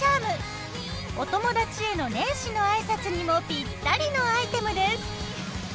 お友達への年始の挨拶にもぴったりのアイテムです。